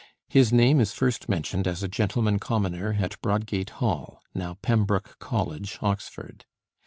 His name is first mentioned as a gentleman commoner at Broadgate Hall, now Pembroke College, Oxford.